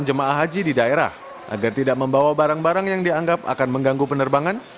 dan juga bersosialisasikan kepada calon jemaah haji di daerah agar tidak membawa barang barang yang dianggap akan mengganggu penerbangan